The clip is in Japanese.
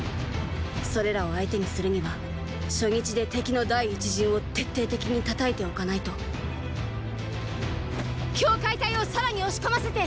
それらを相手にするには初日で敵の第一陣を徹底的に叩いておかないと羌隊をさらに押し込ませて！